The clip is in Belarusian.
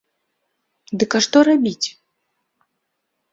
Дык а што рабіць?